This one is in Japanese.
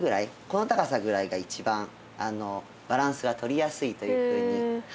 この高さぐらいが一番バランスがとりやすいというふうにいわれております。